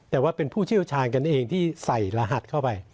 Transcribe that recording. แต่ว่าเป็นผู้เชี่ยวชาญกันนี่เองที่ใส่รหัสเข้าไป